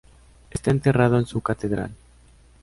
Está enterrado en su Catedral.